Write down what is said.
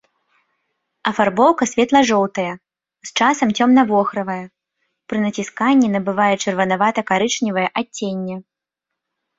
Афарбоўка светла-жоўтая, з часам цёмна-вохравая, пры націсканні набывае чырванавата-карычневае адценне.